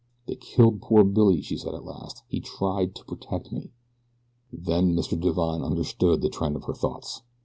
"They killed poor Billy," she said at last. "He tried to protect me." Then Mr. Divine understood the trend of her thoughts.